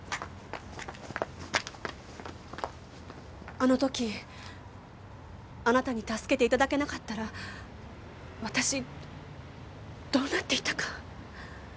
あの時あなたに助けて頂けなかったら私どうなっていたか。